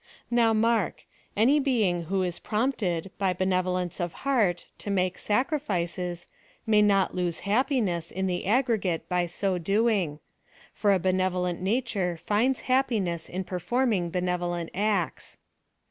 Now mark — any being who is prompted, by benevolence of heart, to make sacrifices, may not lose happiness. 190 PHILOSOPHY OF THE in the aggregate, by so dcing ; for a benevolent na ture finds happiness in performing benevolent acts.